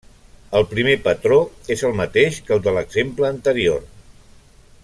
El primer patró és el mateix que el de l'exemple anterior.